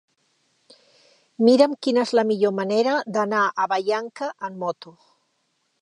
Mira'm quina és la millor manera d'anar a Vallanca amb moto.